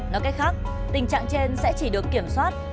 nói cách khác tình trạng trên sẽ chỉ được kiểm soát